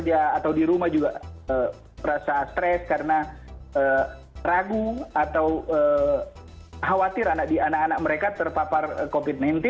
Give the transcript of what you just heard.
atau khawatir anak anak mereka terpapar covid sembilan belas